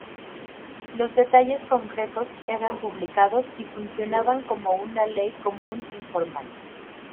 Los detalles concretos eran publicados y funcionaban como una ley común informal.